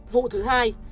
vụ thứ hai